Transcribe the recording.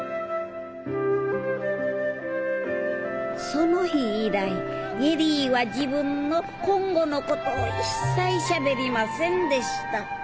その日以来恵里は自分の今後のことを一切しゃべりませんでした。